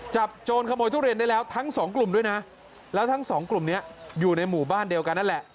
โจรขโมยทุเรียนได้แล้วทั้งสองกลุ่มด้วยนะแล้วทั้งสองกลุ่มนี้อยู่ในหมู่บ้านเดียวกันนั่นแหละ